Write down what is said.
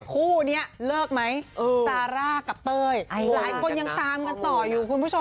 คู่นี้เลิกไหมซาร่ากับเต้ยหลายคนยังตามกันต่ออยู่คุณผู้ชม